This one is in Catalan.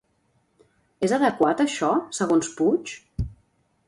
És adequat això, segons Puig?